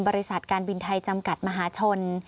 บริษัทการบินไทยจำกัดมหาชน